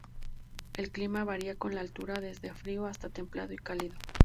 El clima varía con la altura, desde frío hasta templado y cálido.